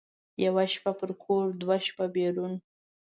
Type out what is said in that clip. یوه شپه کور، دوه شپه بېرون.